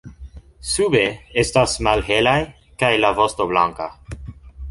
Sube estas malhelaj kaj la vosto blanka.